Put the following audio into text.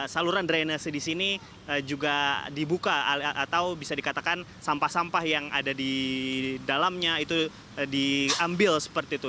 saluran drainase di sini juga dibuka atau bisa dikatakan sampah sampah yang ada di dalamnya itu diambil seperti itu